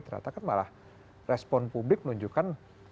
ternyata kan malah respon publik menunjukkan